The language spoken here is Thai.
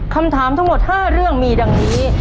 คำถามทั้งหมด๕เรื่องมีดังนี้